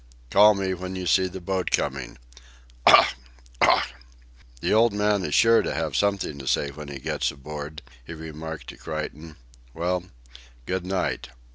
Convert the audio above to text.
Call me when you see the boat coming. Ough! Ough!. The old man is sure to have something to say when he gets aboard," he remarked to Creighton. "Well, good night....